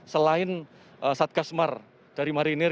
selain satgasmar dari marinir